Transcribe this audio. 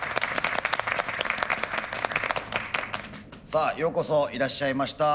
さあようこそいらっしゃいました。